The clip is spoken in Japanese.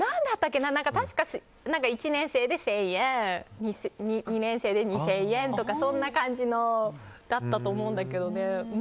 確か１年生で１０００円２年生で２０００円とかそんな感じだったと思うんだけど。